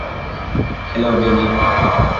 Hello, baby.